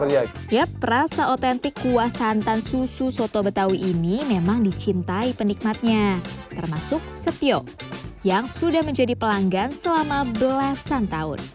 ya perasa otentik kuah santan susu soto betawi ini memang dicintai penikmatnya termasuk setio yang sudah menjadi pelanggan selama belasan tahun